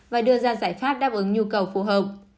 và đưa ra giải pháp đáp ứng nhu cầu phù hợp